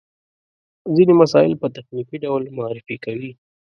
ځينې مسایل په تخنیکي ډول معرفي کوي.